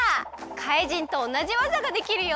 怪人とおなじわざができるよ！